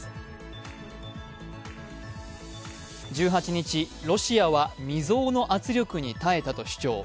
１８日、ロシアは未曾有の圧力に耐えたと主張。